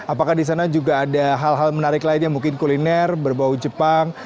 apakah di sana juga ada hal hal menarik lainnya mungkin kuliner berbau jepang